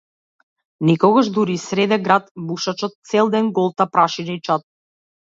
Некогаш дури и среде град бушачот цел ден голта прашина и чад.